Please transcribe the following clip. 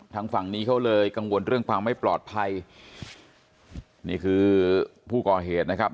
ทางฝั่งนี้เขาเลยกังวลเรื่องความไม่ปลอดภัยนี่คือผู้ก่อเหตุนะครับ